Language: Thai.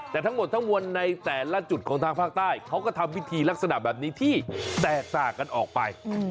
แต่ทั้งหมดทั้งมวลในแต่ละจุดของทางภาคใต้เขาก็ทำพิธีลักษณะแบบนี้ที่แตกต่างกันออกไป